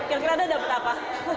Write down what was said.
kira kira udah dapat apa